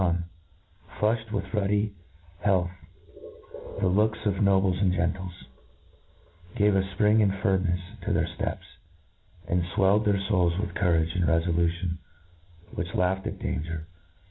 on, flufhed with ruddy health the looks of no * bles and gentles ; gave a fpring and firmnefs ta* their fteps ; and fwelled their fouls with courage and refolution, which laughed at danger.